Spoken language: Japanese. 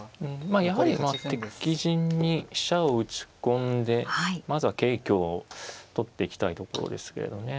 やはり敵陣に飛車を打ち込んでまずは桂香を取っていきたいところですけれどね。